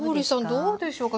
どうでしょうか？